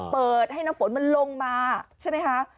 เปิดให้น้ำฝนมันลงมาใช่ไหมคะ